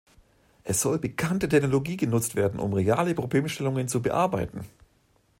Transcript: Es soll bekannte Technologie genutzt werden, um reale Problemstellungen zu bearbeiten.